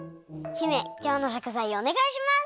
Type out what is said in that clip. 姫きょうのしょくざいをおねがいします！